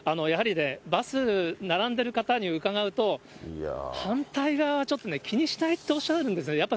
やはりね、バス、並んでる方に伺うと、反対側はちょっとね、気にしないとおっしゃるんですね。